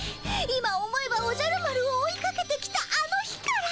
今思えばおじゃる丸を追いかけてきたあの日から。